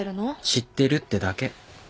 知ってるってだけ。